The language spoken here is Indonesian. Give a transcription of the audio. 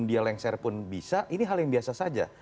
dia lengser pun bisa ini hal yang biasa saja